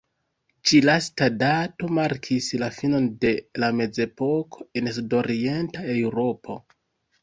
Ĉi-lasta dato markis la finon de la Mezepoko en Sudorienta Eŭropo.